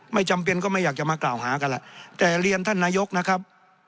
ไม่จำเป็นก็ไม่อยากจะมากล่าวหากันแหละแต่เรียนท่านนายกนะครับ